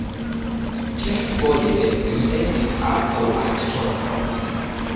Kelkfoje li estis ankaŭ aktoro.